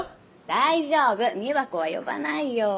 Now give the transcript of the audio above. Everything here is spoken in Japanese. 大丈夫美和子は呼ばないよ。